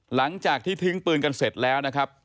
หลังจากที่ทิ้งปืนกันเสร็จแล้วนะครับ